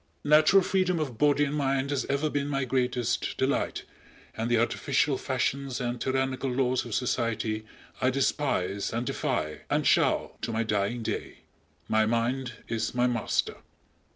Natural freedom of body and mind has ever been my greatest delight and the artificial fashions and tyrannical laws of society I despise and defy, and shall to my dying day. My mind is my master.